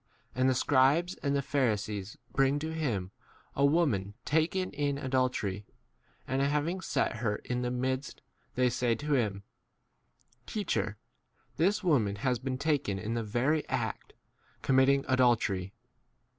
8 And the scribes and the Pharisees bring to him a woman taken in adultery, and having set her in 4 the midst, they say to him, Teach er, this woman has been taken in the very act, committing adultery.